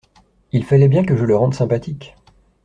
Il fallait bien que je le rende sympathique.